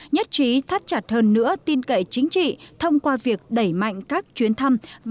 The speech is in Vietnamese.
nhất trí thắt chặt hơn nữa tin cậy chính trị thông qua việc đẩy mạnh các chuyến thăm